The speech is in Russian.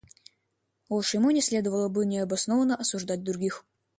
А уж ему не следовало бы необоснованно осуждать других.